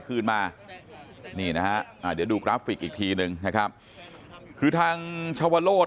คืนมานี่นะฮะอ่าเดี๋ยวดูกราฟิกอีกทีหนึ่งนะครับคือทางชวโลศ